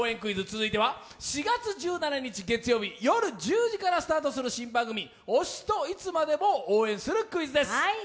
４月１７日月曜日夜１０時からスタートする新番組、「推しといつまでも」を応援するクイズです。